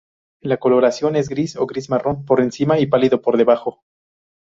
La coloración es gris o gris-marrón por encima y pálido por debajo.